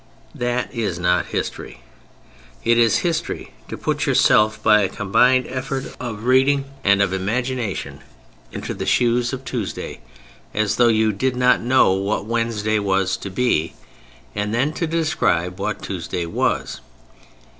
That is not history. It is history to put yourself by a combined effort of reading and of imagination into the shoes of Tuesday, as though you did not know what Wednesday was to be, and then to describe what Tuesday was.